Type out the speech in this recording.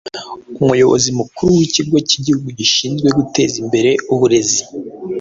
Umuyobozi mukuru w’ikigo cy’igihugu gishinzwe guteza imbere uburezi